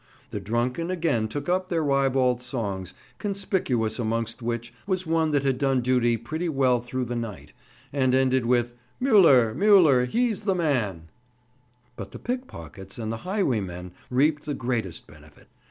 The drunken again took up their ribald songs, conspicuous amongst which was one that had done duty pretty well through the night, and ended with, "Müller, Müller, he's the man"; but the pickpockets and the highwaymen reaped the greatest benefit.